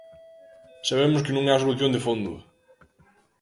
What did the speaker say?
Sabemos que non é a solución de fondo.